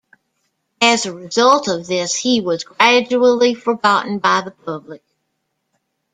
As a result of this he was gradually forgotten by the public.